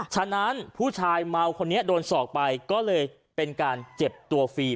ฉะนั้นผู้ชายเมาคนนี้โดนสอกไปก็เลยเป็นการเจ็บตัวฟรี